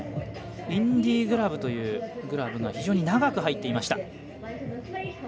インディグラブというグラブが非常に長く入っていました。